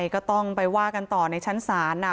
ก็ต้องไปว่ากันต่อในชั้นศาล